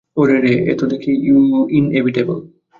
ওরে রে, এ তো দেখি ইনএভিটেবল!